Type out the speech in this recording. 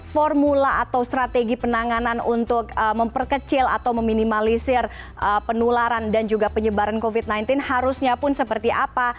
formula atau strategi penanganan untuk memperkecil atau meminimalisir penularan dan juga penyebaran covid sembilan belas harusnya pun seperti apa